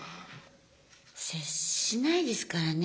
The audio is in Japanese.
接しないですからね